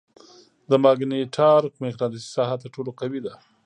د ماګنیټار مقناطیسي ساحه تر ټولو قوي ده.